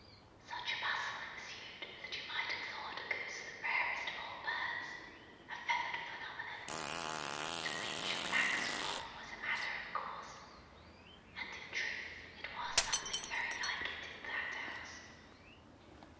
Such a bustle ensued that you might have thought a goose the rarest of all birds; a feathered phenomenon, to which a black swan was a matter of course and in truth it was something very like it in that house.